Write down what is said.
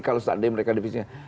kalau saat ini mereka dipisahin